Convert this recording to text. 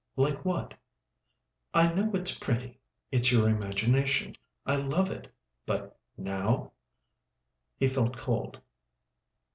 "Like what?" "I know it's pretty—it's your imagination. I love it, but now—" He felt cold.